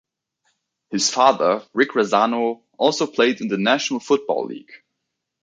His father, Rick Razzano, also played in the National Football League.